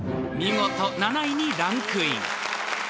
［見事７位にランクイン］